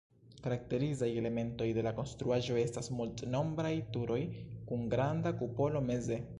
Karakterizaj elementoj de la konstruaĵo estas multnombraj turoj kun granda kupolo meze.